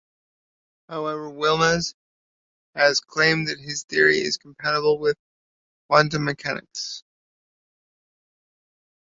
However Yilmaz has claimed that his theory is 'compatible with quantum mechanics'.